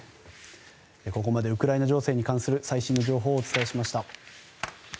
ここまでウクライナ情勢に関する最新の情報をお伝えしました。